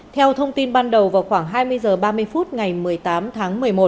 theo thông tin ban đầu vào khoảng hai mươi h ba mươi phút ngày một mươi tám tháng một mươi một